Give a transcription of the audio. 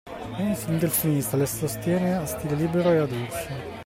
Un delfinista le sostiene a stile libero e a dorso.